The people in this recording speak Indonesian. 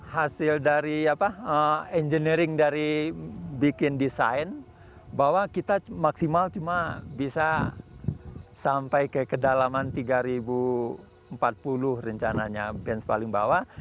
hasil dari engineering dari bikin desain bahwa kita maksimal cuma bisa sampai ke kedalaman tiga ribu empat puluh rencananya bench paling bawah